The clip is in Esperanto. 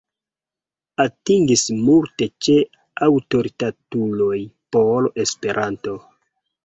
Atingis multe ĉe aŭtoritatuloj por Esperanto.